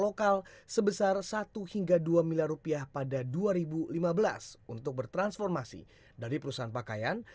lokal sebesar satu hingga dua miliar rupiah pada dua ribu lima belas untuk bertransformasi dari perusahaan pakaian